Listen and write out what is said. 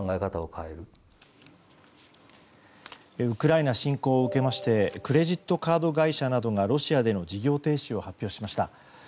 ウクライナ侵攻を受けましてクレジットカード会社などがロシアでの事業停止を発表しました。